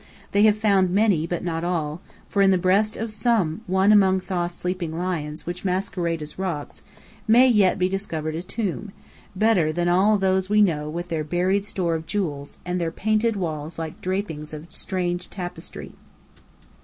They have found many but not all: for in the breast of some one among Thoth's sleeping lions which masquerade as rocks, may yet be discovered a tomb, better than all those we know with their buried store of jewels, and their painted walls like drapings of strange tapestry.